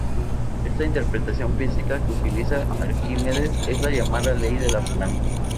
Esta interpretación física que utiliza Arquímedes es la llamada ley de la palanca.